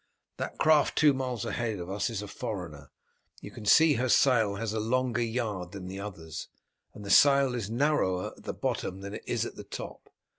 That craft two miles ahead of us is a foreigner. You can see her sail has a longer yard than the others, and the sail is narrower at the bottom than it is at the top.